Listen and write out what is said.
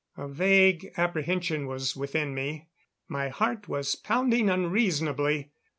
A vague apprehension was within me; my heart was pounding unreasonably.